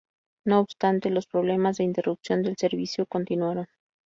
No obstante los problemas de interrupción del servicio continuaron.